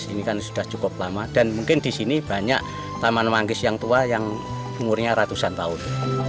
ini kan sudah cukup lama dan mungkin di sini banyak taman manggis yang tua yang umurnya ratusan tahun